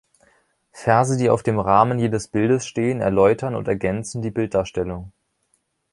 Verse, die auf dem Rahmen jedes Bildes stehen, erläutern und ergänzen die Bilddarstellung.